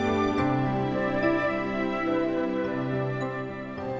iya ya maka ulang tahun ya